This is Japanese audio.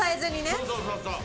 そうそうそうそう。